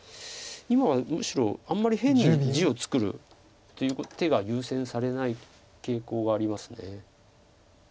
今はむしろあんまり辺に地を作るという手が優先されない傾向があります。